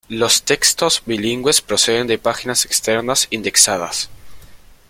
Los textos bilingües proceden de páginas externas indexadas.